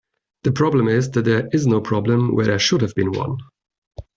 The problem is that there is no problem when there should have been one.